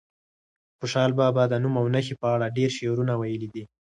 خوشحال بابا د نوم او نښې په اړه ډېر شعرونه ویلي دي.